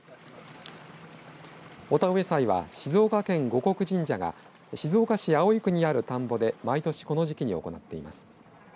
お田植祭は静岡県護国神社が静岡市葵区にある田んぼで毎年この時期に行っています。